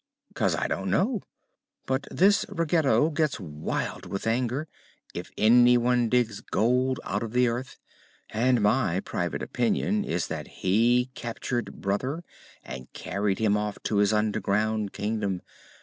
"'Cause I don't know. But this Ruggedo gets wild with anger if anyone digs gold out of the earth, and my private opinion is that he captured brother and carried him off to his underground kingdom.